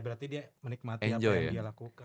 ya berarti dia menikmati apa yang dia lakukan